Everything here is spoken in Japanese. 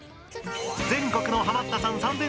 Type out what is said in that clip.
全国のハマったさん